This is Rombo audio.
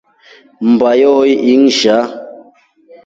Mmba yohoi inshaa.